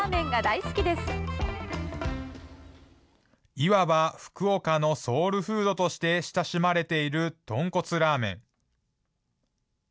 いわば福岡のソウルフードとして親しまれている豚骨ラーメン。